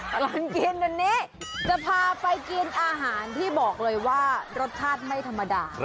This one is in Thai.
ตลอดกินวันนี้จะพาไปกินอาหารที่บอกเลยว่ารสชาติไม่ธรรมดา